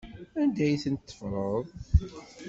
Anda ay tent-teffreḍ?